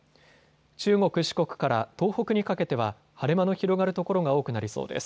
中国、四国から東北にかけては晴れ間の広がる所が多くなりそうです。